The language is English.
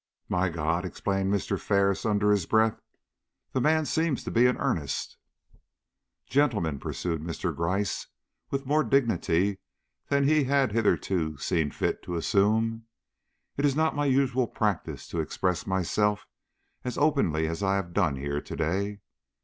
"My God!" exclaimed Mr. Ferris, under his breath, "the man seems to be in earnest!" "Gentlemen," pursued Mr. Gryce, with more dignity than he had hitherto seen fit to assume, "it is not my usual practice to express myself as openly as I have done here to day.